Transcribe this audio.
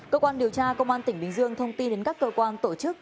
cơ quan điều tra công an tỉnh bình dương thông tin đến các cơ quan tổ chức